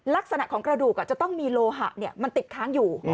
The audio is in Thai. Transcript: ลักษณะของกระดูกจะต้องมีโลหะมันติดค้างอยู่